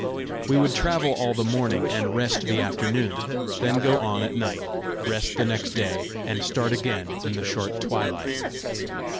We would travel all the morning, and rest the afternoon; then go on at night, rest the next day, and start again in the short twilight.